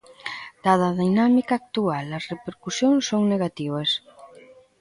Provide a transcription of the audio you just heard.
Dada a dinámica actual as repercusións son negativas.